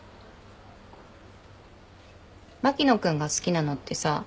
牧野君が好きなのってさ